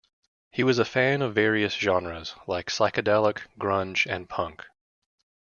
He was a fan of various genres, like psychedelic, grunge, and punk.